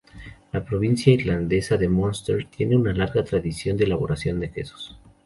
La provincia irlandesa de Munster tiene una larga tradición de elaboración de quesos.